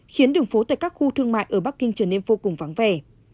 khiến đường phố tại các khu thương mại ở bắc kinh trở nên vô cùng vắng vẻ